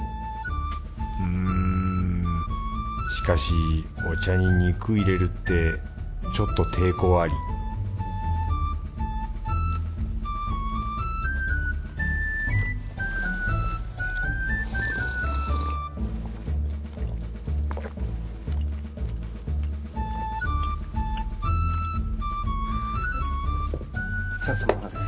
うんしかしお茶に肉入れるってちょっと抵抗ありチャンサンマハです。